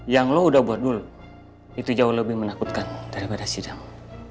yang lo udah buat dulu itu jauh lebih menakutkan daripada sidang